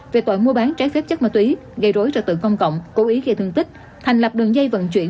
về tội mua bán trái phép chất ma túy gây rối trật tự công cộng cố ý gây thương tích thành lập đường dây vận chuyển